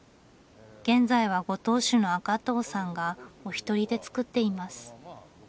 現在はご当主の赤塔さんがお一人で造っています。